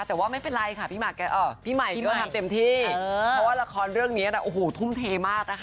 แต่ว่าไม่เป็นไรค่ะพี่ใหม่พี่ก็ทำเต็มที่เพราะว่าละครเรื่องนี้นะโอ้โหทุ่มเทมากนะคะ